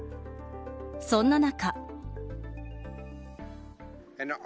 そんな中。